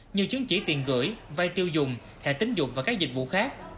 như chứng chỉ tiền gửi vay tiêu dùng thẻ tính dụng và các dịch vụ khác